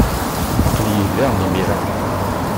Aql-iyi da imir-a.